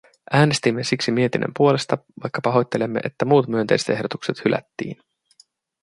Äänestimme siksi mietinnön puolesta, vaikka pahoittelemme, että muut myönteiset ehdotukset hylättiin.